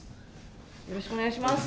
よろしくお願いします